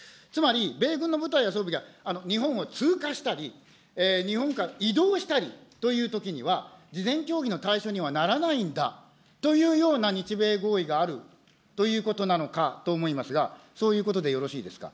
つまり、米軍の部隊や装備が日本を通過したり、日本から移動したりというときには、事前協議の対象にはならないんだというような日米合意があるということなのかと思いますが、そういうことでよろしいですか。